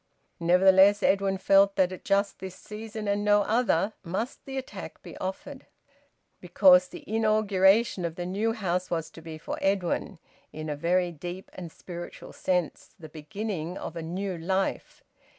Nevertheless Edwin felt that at just this season, and no other, must the attack be offered. Because the inauguration of the new house was to be for Edwin, in a very deep and spiritual sense, the beginning of the new life!